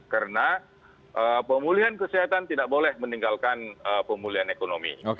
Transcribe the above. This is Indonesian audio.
karena pemulihan kesehatan tidak boleh meninggalkan pemulihan ekonomi